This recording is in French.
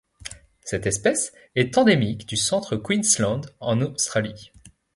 Cette espèce est endémique du centre Queensland en Australie.